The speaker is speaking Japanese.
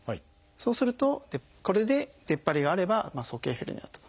そうするとこれで出っ張りがあれば鼠径ヘルニアと。